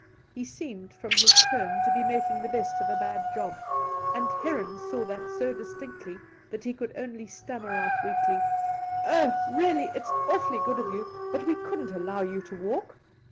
He seemed from his tone to be making the best of a bad job, and Heron saw that so distinctly that he could only stammer out weakly :' Oh, really, it's awfully good of you, but we couldn't allow you to walk.'